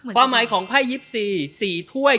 เพราะหมายของไพ่ยิปซี๔ถ้วย